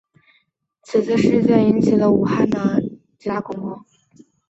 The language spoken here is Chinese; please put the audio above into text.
此次事件引起了武汉当局的极大恐慌。